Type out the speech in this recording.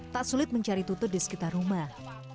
tak sulit mencari tutut di sekitar rumah